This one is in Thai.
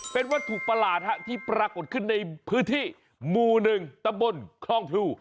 เป็นวัตถุประหลาดที่ปรากฏขึ้นในพื้นที่หมู่๑ตำบลคลองพลู